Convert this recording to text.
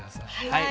はい。